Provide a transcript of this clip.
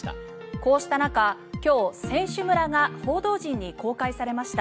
こうした中今日、選手村が報道陣に公開されました。